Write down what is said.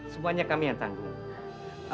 semuanya kami yang tanggung